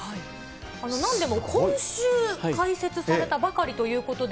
なんでも今週開設されたばかりということで。